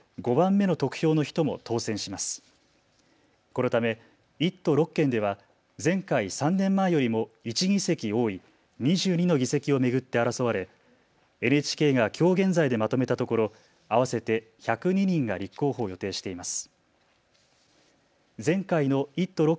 このため１都６県では前回３年前よりも１議席多い２２の議席を巡って争われＮＨＫがきょう現在でまとめたところ合わせて１０２人が立候補を予定しています。